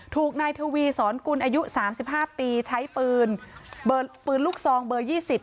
ถูกนายทวีสอนกุลอายุสามสิบห้าปีใช้ปืนปืนลูกซองเบอร์ยี่สิบ